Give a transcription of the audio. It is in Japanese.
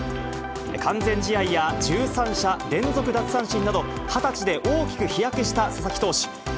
完全試合や、１３者連続奪三振など、２０歳で大きく飛躍した佐々木投手。